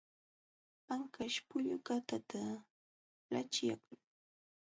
Anqaśh pullukatata laćhyaqlun.